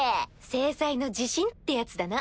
正妻の自信ってやつだな。